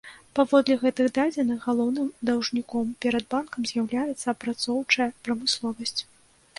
Паводле гэтых дадзеных, галоўным даўжніком перад банкамі з'яўляецца апрацоўчая прамысловасць.